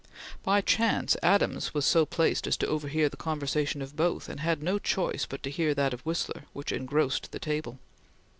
By chance, Adams was so placed as to overhear the conversation of both, and had no choice but to hear that of Whistler, which engrossed the table.